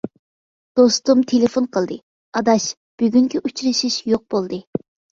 دوستۇم تېلېفون قىلدى:-ئاداش، بۈگۈنكى ئۇچرىشىش يوق بولدى.